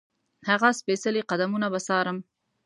هغه سپېڅلي قدمونه به څارم.